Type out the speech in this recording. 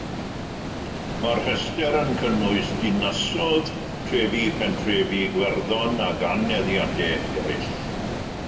Mae'r rhestr yn cynnwys dinasoedd, trefi, pentrefi, gwerddon ac aneddiadau eraill.